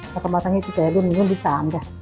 แล้วก็มาทั้งที่พี่แต๋รุ่นที่๓ค่ะ